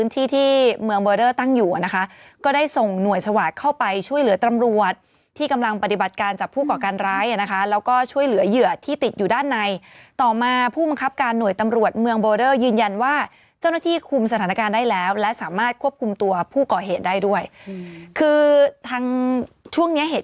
ที่ที่เมืองเบอร์เดอร์ตั้งอยู่นะคะก็ได้ส่งหน่วยสวาสตร์เข้าไปช่วยเหลือตำรวจที่กำลังปฏิบัติการจับผู้ก่อการร้ายนะคะแล้วก็ช่วยเหลือเหยื่อที่ติดอยู่ด้านในต่อมาผู้บังคับการหน่วยตำรวจเมืองเบอร์เดอร์ยืนยันว่าเจ้าหน้าที่คุมสถานการณ์ได้แล้วและสามารถควบคุมตัวผู้ก่อเหตุได้ด้วยคือทางช่วงเนี้ยเหตุ